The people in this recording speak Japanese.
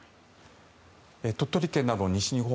鳥取県など西日本